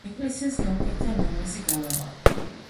ეკლესიას გაუკეთდა ლამაზი გალავანი.